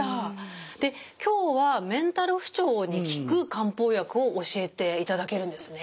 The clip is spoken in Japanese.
で今日はメンタル不調に効く漢方薬を教えていただけるんですね？